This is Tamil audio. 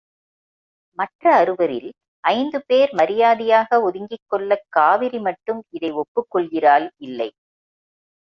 மற்ற அறுவரில் ஐந்து பேர் மரியாதையாக ஒதுங்கிக் கொள்ளக் காவிரி மட்டும் இதை ஒப்புக் கொள்கிறாள் இல்லை.